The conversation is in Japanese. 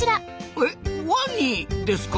えワニですか？